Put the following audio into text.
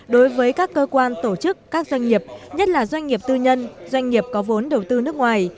đối với các cơ quan tổ chức các doanh nghiệp nhất là doanh nghiệp tư nhân doanh nghiệp có vốn đầu tư nước ngoài